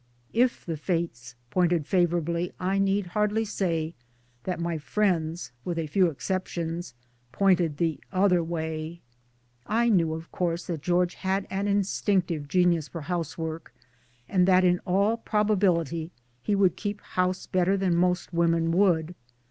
If the Fates pointed favorably I need hardly say that my friends (with a few exceptions) pointed the other way ! I knew of course that George had an instinctive genius for housework, and that in all probability he would keep house better than most women would.